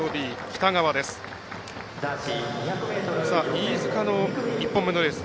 飯塚の１本目のレース